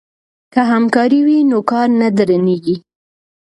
که همکاري وي نو کار نه درنیږي.